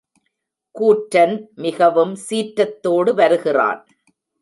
கூற்றன் மிகவும் சீற்றத்தோடு வருகிறான்.